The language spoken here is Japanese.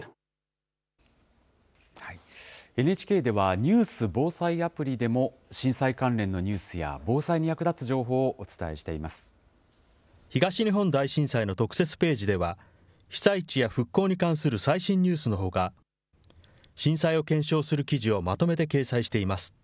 ＮＨＫでは、ニュース・防災アプリでも震災関連のニュースや防災に役立つ情報東日本大震災の特設ページでは、被災地や復興に関する最新ニュースのほか、震災を検証する記事をまとめて掲載しています。